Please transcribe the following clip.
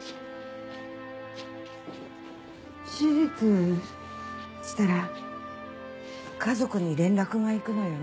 手術したら家族に連絡がいくのよね？